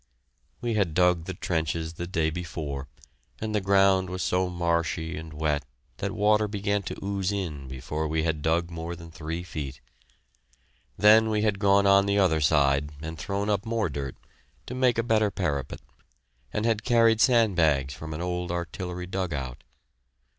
We had dug the trenches the day before, and the ground was so marshy and wet that water began to ooze in before we had dug more than three feet. Then we had gone on the other side and thrown up more dirt, to make a better parapet, and had carried sand bags from an old artillery dug out.